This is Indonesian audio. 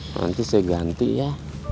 nanti saya ganti ya